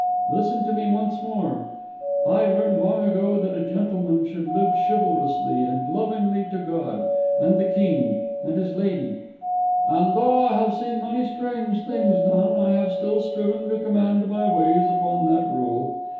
Listen to me once more. I learned long ago that a gentleman should live chivalrously and lovingly to God, and the king, and his lady; and though I have seen many strange things done, I have still striven to command my ways upon that rule.